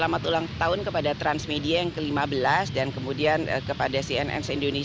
melonjak menjadi enam puluh lima subscriber